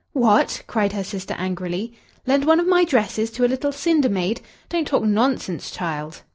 "What!" cried her sister angrily; "lend one of my dresses to a little cinder maid? Don't talk nonsense, child!"